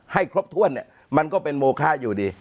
ให้ครบถ้วนเนี่ยมันก็เป็นโมคะอยู่ดี